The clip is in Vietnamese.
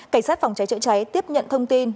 cảnh sát phòng cháy chữa cháy tiếp nhận thông tin